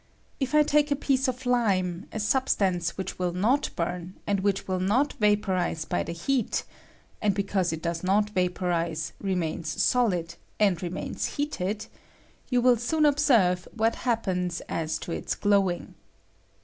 If I take a piece of lime, a substance I ■which will not bum, and which will not vap \ orize by the heat (and because it does not vap I orize remains solid, and remains heated), you I will soon observe what happens as to its glow I 'ing.